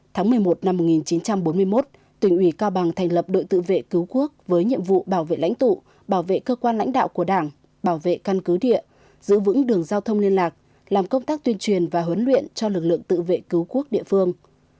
tháng một mươi một năm một nghìn chín trăm bốn mươi một tỉnh ủy cao bằng thành lập đội tự vệ cứu quốc với nhiệm vụ bảo vệ lãnh tụ bảo vệ cơ quan lãnh đạo của đảng bảo vệ căn cứ địa giữ vững đường giao thông liên lạc làm công tác tuyên truyền và huấn luyện cho lực lượng tự vệ cứu quốc địa phương